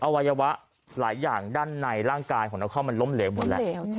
วัยวะหลายอย่างด้านในร่างกายของนครมันล้มเหลวหมดแล้ว